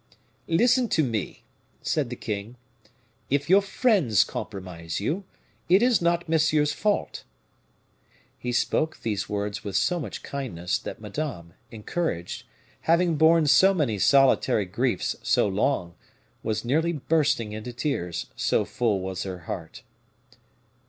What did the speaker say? "Listen to me," said the king; "if your friends compromise you, it is not Monsieur's fault." He spoke these words with so much kindness that Madame, encouraged, having borne so many solitary griefs so long, was nearly bursting into tears, so full was her heart.